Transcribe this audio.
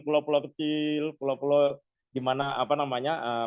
pulau pulau kecil pulau pulau gimana apa namanya